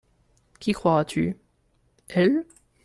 Qui croiras-tu ?- Elle.